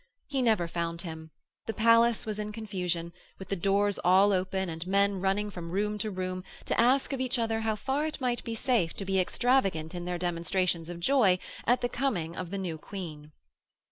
He never found him; the palace was in confusion, with the doors all open and men running from room to room to ask of each other how far it might be safe to be extravagant in their demonstrations of joy at the coming of the new Queen.